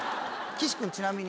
岸君ちなみに。